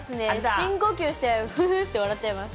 深呼吸して、フフフって笑っちゃいます。